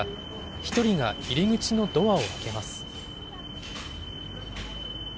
１人が入り口のドアを開けます。